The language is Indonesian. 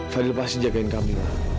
fadil pasti jagain kamila